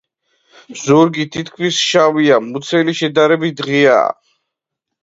ზურგი თითქმის შავია, მუცელი შედარებით ღია.